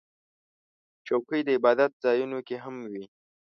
چوکۍ د عبادت ځایونو کې هم وي.